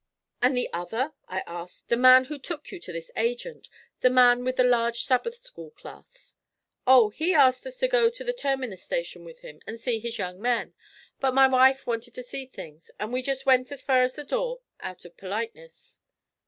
'And the other,' I asked, 'the man who took you to this agent the man with the large Sabbath school class?' 'Oh! he asked us to go to the terminus station with him and see his young men; but my wife wanted to see things, and we jest went as fur as the door, out of perliteness.'